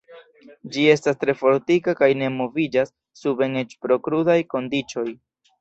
Ĝi estas tre fortika kaj ne moviĝas suben eĉ pro krudaj kondiĉoj.